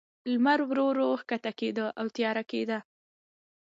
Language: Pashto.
لمر ورو، ورو کښته کېده، او تیاره کېده.